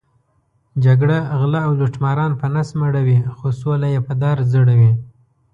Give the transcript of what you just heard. جګړه غله او لوټماران په نس مړوي، خو سوله یې په دار ځړوي.